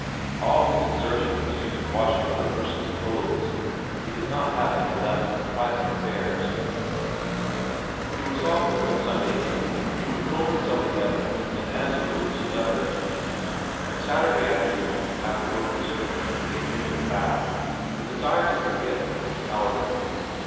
All his exertion was used in washing other persons' clothes. He did not have any left for private affairs. He resolved that when Sunday came he would pull himself together and answer Ruth's letter. But Saturday afternoon, after work was finished and he had taken a bath, the desire to forget overpowered him.